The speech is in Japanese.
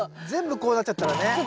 全部こうなっちゃったらね。